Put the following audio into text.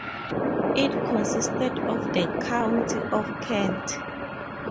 It consisted of the County of Kent.